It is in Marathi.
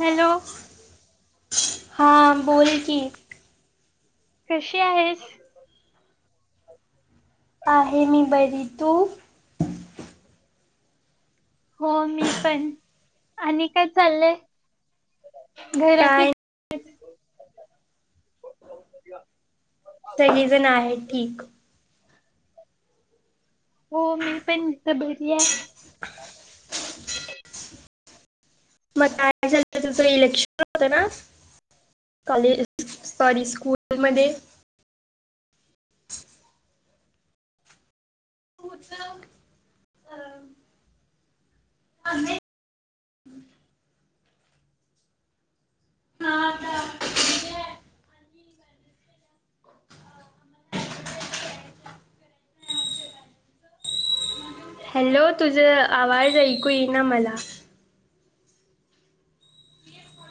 हॅलो हां बोल की कशी आहेस आहे मी बरी तू हो मी पण आणि काय चाललंय घरातली काय सगळीजण आहेत ठीक हो मी पण इथ बरी आहे मग [unintelligible] तुझ इलेक्शन होत ना कॉलेज सॉरी स्कूलमध्ये होत अ अ [unintelligible] हा [inaudible] [unintelligible] हॅलो तुझ आवाज ऐकू येईल ना मला